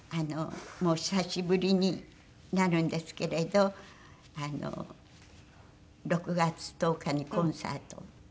もう久しぶりになるんですけれど６月１０日にコンサートを。